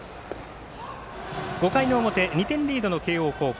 ５回の表、２点リードの慶応高校。